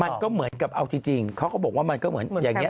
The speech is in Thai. มันก็เหมือนกับเอาจริงเขาก็บอกว่ามันก็เหมือนอย่างนี้